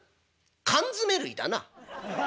「缶詰類だな」。